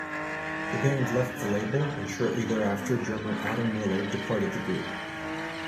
The band left the label, and shortly thereafter drummer Atom Willard departed the group.